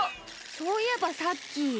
そういえばさっき。